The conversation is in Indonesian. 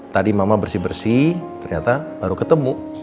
tadi mama bersih bersih ternyata baru ketemu